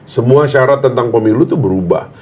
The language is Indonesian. semua syarat tentang pemilu itu berubah